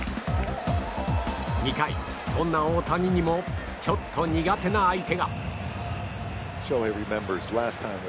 ２回、そんな大谷にもちょっと苦手な相手が。